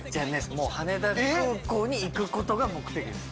もう羽田空港に行くことが目的です